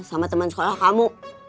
sama temen sekolah kamu